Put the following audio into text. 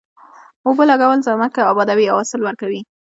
اوبو لګول ځمکه ابادوي او حاصل ورکوي.